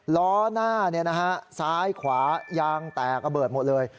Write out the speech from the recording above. ล้อหน้าซ้ายขวายางแตกระเบิดหมดเลย